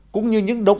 cũng như những đồng ý